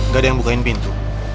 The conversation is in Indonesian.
gak ada yang bukain pintu